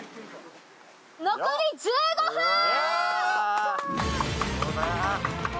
残り１５分！